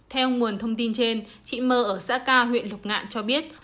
theo nguồn thông tin trên chị mơ ở xã ca huyện lục ngạn cho biết